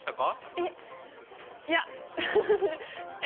えっ？いやえ。